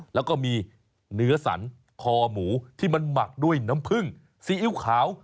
แล้วก็มีเนื้อสันคอหมูที่มันหมักด้วยน้ำผึ้งซีอิ๊วขาว